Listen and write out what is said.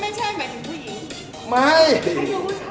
มันเป็นสิ่งที่เราไม่รู้สึกว่า